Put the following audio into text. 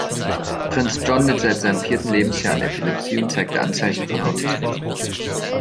Prinz John litt seit seinem vierten Lebensjahr an Epilepsie und zeigte Anzeichen von Autismus.